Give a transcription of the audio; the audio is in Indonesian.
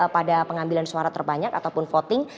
pada pengambilan suara terbanyak ataupun voting